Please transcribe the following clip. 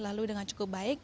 lalu dengan cukup baik